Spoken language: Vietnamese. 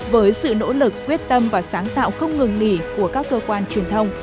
với sự nỗ lực quyết tâm và sáng tạo không ngừng nghỉ của các cơ quan truyền thông